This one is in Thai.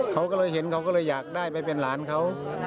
เขาก็เลยเห็นเขาก็เลยอยากได้ไปเป็นหลานเขา